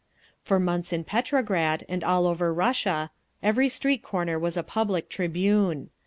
For months in Petrograd, and all over Russia, every street corner was a public tribune.